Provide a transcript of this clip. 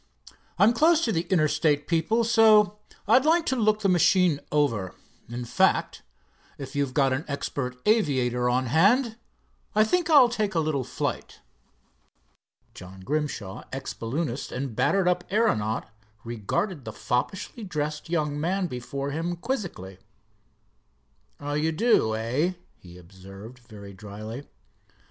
I'm close to the Interstate people, so I'd like to look the machine over. In fact, if you've got an expert aviator on hand, I think I'll take a little flight." John Grimshaw, ex balloonist and battered up aeronaut, regarded the foppishly dressed young man before him quizzically. "Oh, you do, eh?" he observed, very dryly.